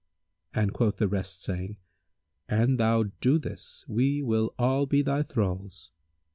and quoth the rest, saying, "An thou do this, we will all be thy thralls."